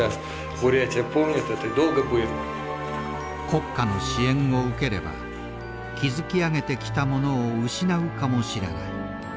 国家の支援を受ければ築き上げてきたものを失うかもしれない。